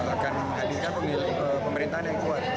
akan menghadirkan pemerintahan yang kuat